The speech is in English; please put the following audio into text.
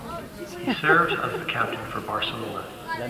He serves as the captain for Barcelona.